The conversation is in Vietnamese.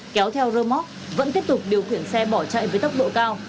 kéo theo rơ móc vẫn tiếp tục điều khiển xe bỏ chạy với tốc độ cao